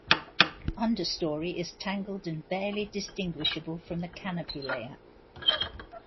Understorey is tangled and barely distinguishable from the canopy layer.